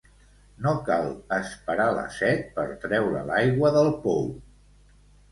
No cal esperar la set per treure l'aigua del pou.